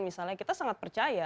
misalnya kita sangat percaya